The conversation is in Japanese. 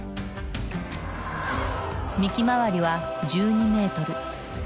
幹周りは１２メートル。